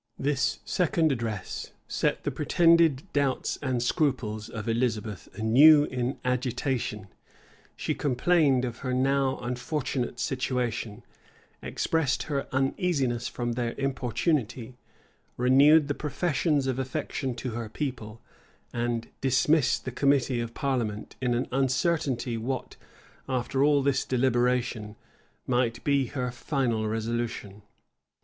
This second address set the pretended doubts and scruples of Elizabeth anew in agitation; she complained of her now unfortunate situation; expressed her uneasiness from their importunity; renewed the professions of affection to her people; and dismissed the committee of parliament in an uncertainty what, after all this deliberation, might be her final resolution.